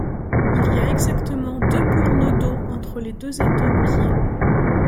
Il y a exactement deux plans nodaux entre les deux atomes liés.